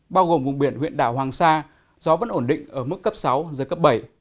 bao gồm vùng biển huyện đảo hoàng sa gió vẫn ổn định ở mức cấp sáu giới cấp bảy